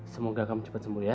semoga kami cepat sembuh ya